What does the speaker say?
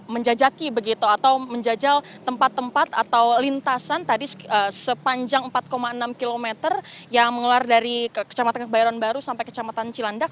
menjajaki begitu atau menjajal tempat tempat atau lintasan tadi sepanjang empat enam km yang mengelar dari kecamatan kebayoran baru sampai kecamatan cilandak